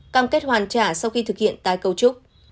cam kết hoàn trả sau khi thực hiện tái cấu trúc